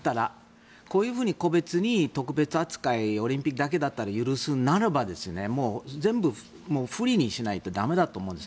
こういうふうに個別に特別扱いオリンピックだけ許すならば全部不利にしないと駄目だと思うんです。